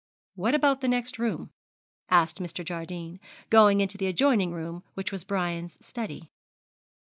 'What about the next room?' asked Mr. Jardine, going into the adjoining room, which was Brian's study.